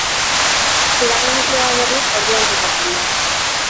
Seigarren nukleoa berriz, erdian kokatzen da.